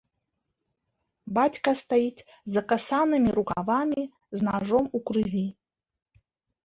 Бацька стаіць з закасанымі рукавамі, з нажом у крыві.